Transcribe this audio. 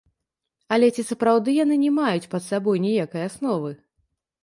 Але ці сапраўды яны не маюць пад сабой ніякай асновы?